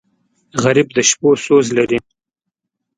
غریب د شپو سوز لري